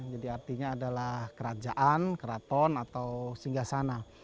jadi artinya adalah kerajaan keraton atau singgah sana